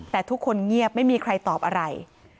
แต่ทุกคนเงียบไม่มีใครตอบอะไร